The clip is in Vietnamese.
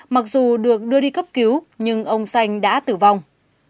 mặc dù được đưa đi cấp cứu nhưng ông xanh đã tử vong